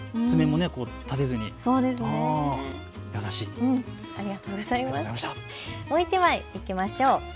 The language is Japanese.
もう１枚いきましょう。